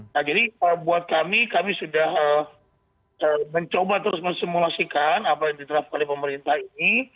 nah jadi buat kami kami sudah mencoba terus mensimulasikan apa yang diterapkan oleh pemerintah ini